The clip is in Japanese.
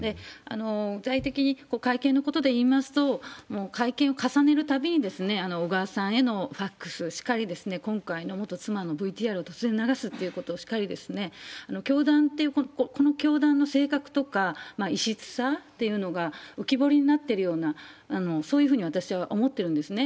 具体的に会見のことで言いますと、もう会見を重ねるたびに、小川さんへのファックスしかり、今回の元妻のＶＴＲ突然流すということもしかり、この教団の性格とか異質さっていうのが浮き彫りになっているような、そういうふうに私は思ってるんですね。